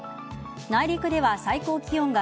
内陸では最高気温が